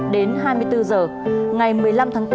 đến hai mươi bốn h ngày một mươi năm tháng bốn